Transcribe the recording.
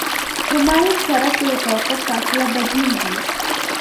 په مایل سرک کې د توقف فاصله بدلیږي